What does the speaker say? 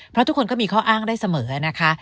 เพราะทุกคนก็มีข้ออ้างได้เสมอนะคะ